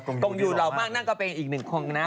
กองยูหล่องมากนั่นก็เป็นอีกหนึ่งคงนะ